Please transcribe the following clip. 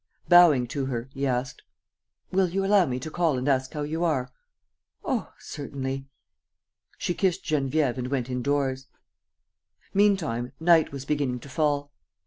Bowing to her, he asked: "Will you allow me to call and ask how you are?" "Oh, certainly. ..." She kissed Geneviève and went indoors. Meantime, night was beginning to fall.